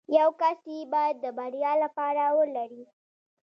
يو کس يې بايد د بريا لپاره ولري.